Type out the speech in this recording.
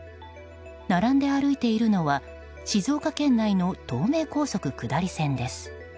並んで歩いているのは静岡県内の東名高速下り線です。